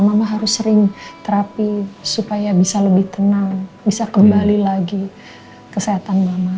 mama harus sering terapi supaya bisa lebih tenang bisa kembali lagi kesehatan mama